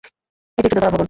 এটি একটি দোতলা ভবন।